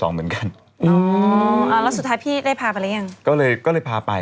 สองเหมือนกันแล้วสุดท้ายพี่ได้พาไปแล้วยังก็เลยก็เลยพาไป